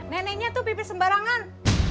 neneknya tuh pipih sembarangan